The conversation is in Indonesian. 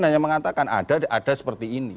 hanya mengatakan ada ada seperti ini